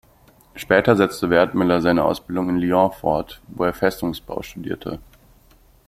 Später setzte Werdmüller seine Ausbildung in Lyon fort, wo er Festungsbau studierte.